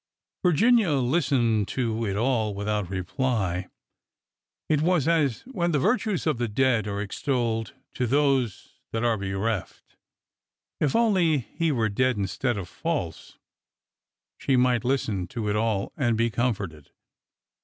Virginia listened to it all without reply. It was as when the virtues of the dead are extolled to those that are be reft. If only he were dead— instead of false — she might listen to it all and be comforted!